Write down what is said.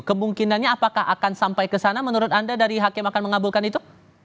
kemungkinannya apakah akan sampai ke sana menurut anda dari hakim akan mengabulkan itu